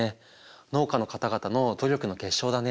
農家の方々の努力の結晶だね。